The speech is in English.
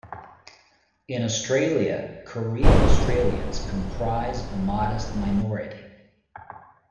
In Australia, Korean Australians comprise a modest minority.